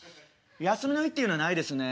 「休みの日っていうのはないですね。